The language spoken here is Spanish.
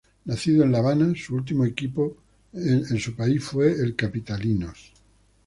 Nacido en la Habana, su último equipo en su país fue el Capitalinos.